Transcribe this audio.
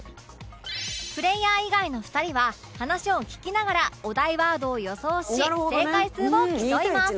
プレイヤー以外の２人は話を聞きながらお題ワードを予想し正解数を競います